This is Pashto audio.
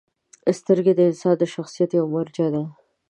• سترګې د انسان د شخصیت یوه مرجع ده.